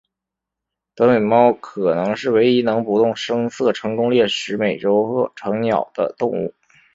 短尾猫可能是唯一能不动声色成功掠食美洲鹤成鸟的动物。